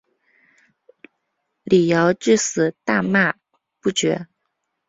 李圭至死大骂不绝。